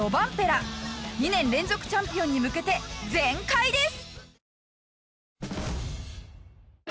２年連続チャンピオンに向けて全開です！